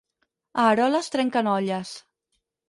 A Eroles trenquen olles.